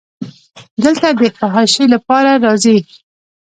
دلته د فحاشۍ لپاره راځي.